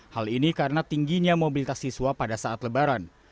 hal ini karena tingginya mobilitas siswa pada saat lebaran